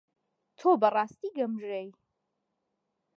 تۆ بەڕاستی گەمژەی.